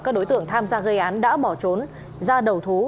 các đối tượng tham gia gây án đã bỏ trốn ra đầu thú